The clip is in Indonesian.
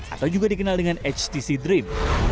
atau juga dikenal dengan htc dream